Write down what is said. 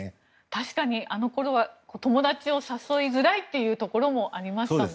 確かにあの頃は友達を誘いづらいというところもありましたもんね。